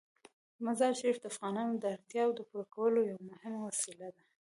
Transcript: مزارشریف د افغانانو د اړتیاوو د پوره کولو یوه مهمه وسیله ده.